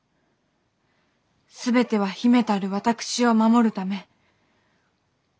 全ては姫たる私を守るため。